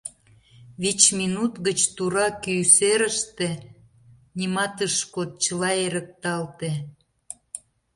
Вич минут гыч тура кӱ серыште нимат ыш код, чыла эрыкталте.